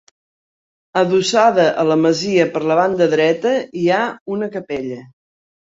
Adossada a la masia per la banda dreta hi ha una capella.